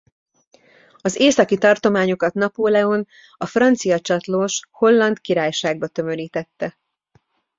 Az északi tartományokat Napóleon a francia csatlós Holland Királyságba tömörítette.